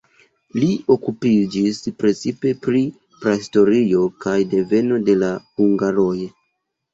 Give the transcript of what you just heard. Li okupiĝis precipe pri prahistorio kaj deveno de la hungaroj.